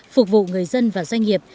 phục vụ người dân và doanh nghiệp